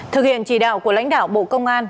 thực hiện chỉ đạo của lãnh đạo bộ công an